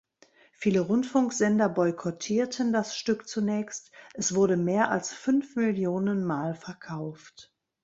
Viele Rundfunksender boykottierten das Stück zunächst; es wurde mehr als fünf Millionen Mal verkauft.